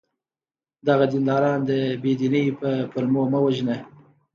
دغه دینداران د بې دینی په پلمو مه وژنه!